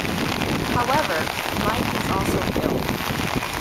However, Mike is also killed.